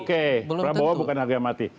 oke prabowo bukan harga mati